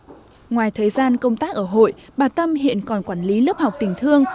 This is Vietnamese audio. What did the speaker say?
ngoài thời gian công tác ở hội bà tâm hiện còn quản lý lớp học tình thương